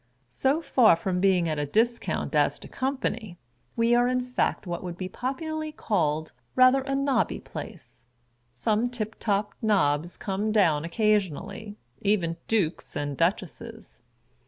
So far from being at a discount as to com pany, we are in fact what would 1x3 popularly called rather a nobby place. Some tip tqp " Nobs " come down occasionally — even Dukes and Duchesses.